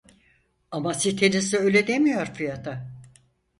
Ama sitenizde öyle demiyor fiyata